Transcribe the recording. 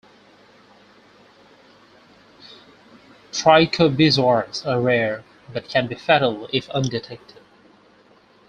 Trichobezoars are rare, but can be fatal if undetected.